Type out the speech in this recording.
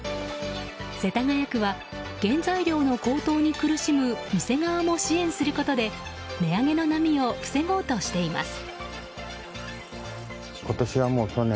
世田谷区は原材料の高騰に苦しむ店側も支援することで、値上げの波を防ごうとしています。